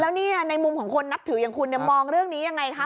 แล้วในมุมของคนนับถืออย่างคุณมองเรื่องนี้ยังไงคะ